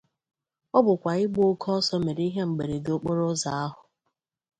ọ bụkwa ịgba oke ọsọ mèrè ihe mberede okporo ụzọ ahụ